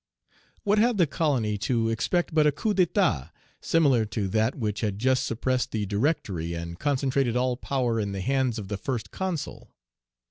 What had the colony to expect but a coup d'état similar to that which had just suppressed the Directory and concentrated all power in the hands of the First Consul?